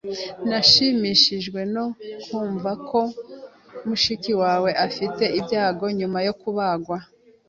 Nshimishijwe no kumva ko mushiki wawe afite ibyago nyuma yo kubagwa.